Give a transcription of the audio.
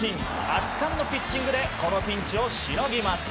圧巻のピッチングでこのピンチをしのぎます。